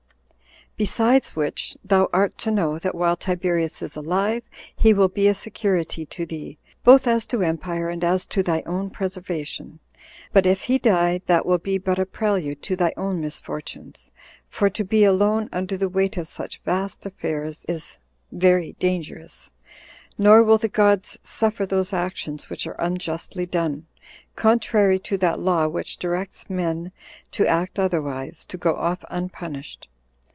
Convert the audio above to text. Besides which, thou art to know, that while Tiberius is alive, he will be a security to thee, both as to empire and as to thy own preservation; but if he die, that will be but a prelude to thy own misfortunes; for to be alone under the weight of such vast affairs is very dangerous; nor will the gods suffer those actions which are unjustly done, contrary to that law which directs men to act otherwise, to go off unpunished."